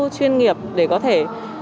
chuyên nghiệp để có thể